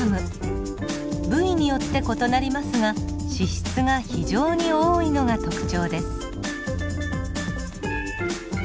部位によって異なりますが脂質が非常に多いのが特徴です。